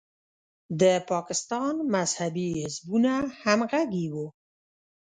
د پاکستان مذهبي حزبونه همغږي وو.